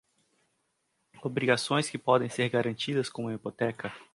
Obrigações que podem ser garantidas com uma hipoteca.